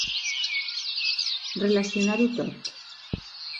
Relacionar-ho tot.